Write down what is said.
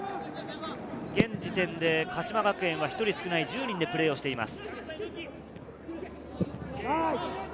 現時点で鹿島学園は１人少ない１０人でプレーしています。